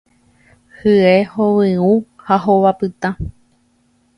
Hye hovyũ ha hova pytã